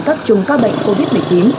các chung ca bệnh covid một mươi chín